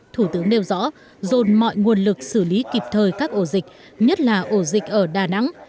thủ tướng nêu rõ dồn mọi nguồn lực xử lý kịp thời các ổ dịch nhất là ổ dịch ở đà nẵng